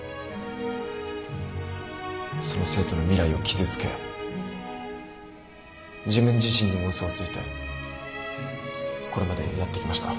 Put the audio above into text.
その生徒の未来を傷つけ自分自身にも嘘をついてこれまでやってきました。